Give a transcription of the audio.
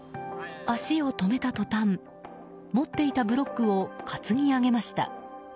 足を止めた途端持っていたブロックを担ぎ上げました。